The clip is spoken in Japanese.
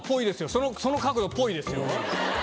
その角度ぽいですよ。